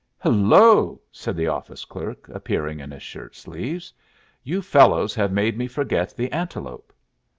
"Hello!" said the office clerk, appearing in his shirt sleeves. "You fellows have made me forget the antelope."